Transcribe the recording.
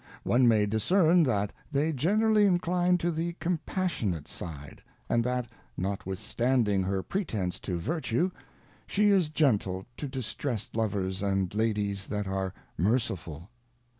One may discern that they generally incline to the compassionate side, and that, notwithstanding her pretence to Vertue, she is gentle to distressed Lovers, and Ladies that are merciful.